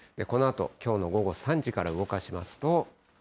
このあと、きょうの午後３時から動かしますと。